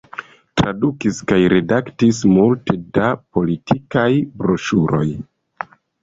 Tradukis kaj redaktis multe da politikaj broŝuroj.